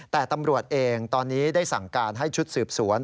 แต่ตำรวจเองตอนนี้ได้สั่งการให้ชุดสืบสวน